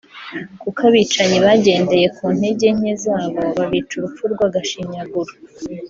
kuko abicanyi bagendeye ku ntege nke zabo babica urupfu rw’agashinyaguro